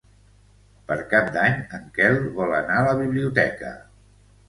Per Cap d'Any en Quel vol anar a la biblioteca.